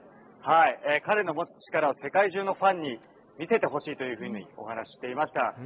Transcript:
彼の持つ力を世界中のファンに見せてほしいというふうにお話していました。